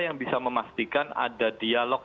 yang bisa memastikan ada dialog